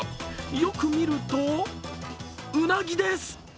よく見ると、うなぎです。